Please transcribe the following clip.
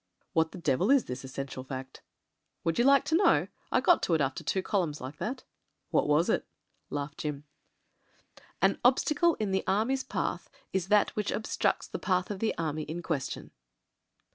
"What the devil is this essential fact ?" "Would you like to know? I got to it after two columns like that." "What was it ?" laughed Jim. " 'An obstacle in an army's path is that which ob structs the path of the army in question.'